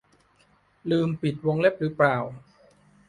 ลืมปิดวงเล็บหรือเปล่า